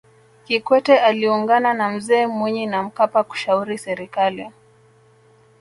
kikwete aliungana na mzee mwinyi na mkapa kushauri serikali